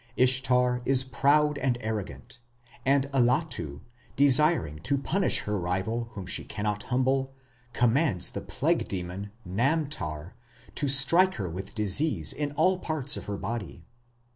Ishtar is proud and arrogant, and Allatu, desiring to punish her rival whom she cannot humble, commands the plague demon, Namtar, to strike her with disease in all parts of her body.